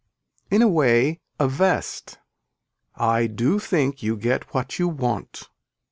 In a way a vest. I do think you get what you want.